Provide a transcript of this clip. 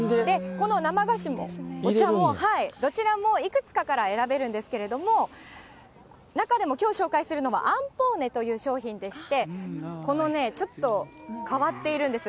この生菓子もお茶も、どちらもいくつかから選べるんですけれども、中でもきょう紹介するのはあんぽーねという商品でして、このね、ちょっと変わっているんです。